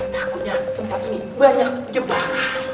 takutnya tempat ini banyak jebak